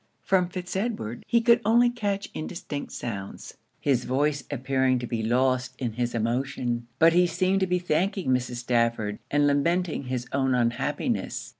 From Fitz Edward, he could only catch indistinct sounds; his voice appearing to be lost in his emotion. But he seemed to be thanking Mrs. Stafford, and lamenting his own unhappiness.